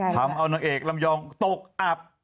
ทำเอานางเอกลำยองตกอับ